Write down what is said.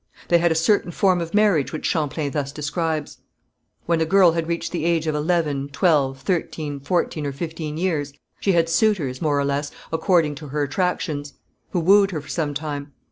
They had a certain form of marriage which Champlain thus describes. When a girl had reached the age of eleven, twelve, thirteen, fourteen or fifteen years, she had suitors, more or less, according to her attractions, who wooed her for some time.